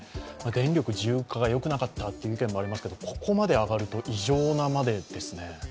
電力自由化がよくなかったという意見もありますがここまで上がると異常なまでですね。